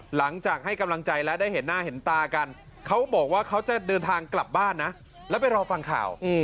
หลังจากให้กำลังใจและได้เห็นหน้าเห็นตากันเขาบอกว่าเขาจะเดินทางกลับบ้านนะแล้วไปรอฟังข่าว